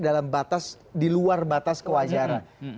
dalam batas di luar batas kewajaran